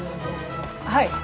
はい！